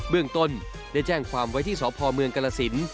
เรื่องต้นได้แจ้งความไว้ที่สพเมืองกรสิน